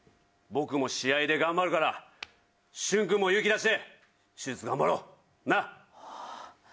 僕も試合で頑張るからしゅんくんも勇気出して頑張ろうな。